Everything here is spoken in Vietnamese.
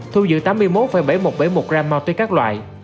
thu giữ tám mươi một bảy nghìn một trăm bảy mươi một gram ma túy các loại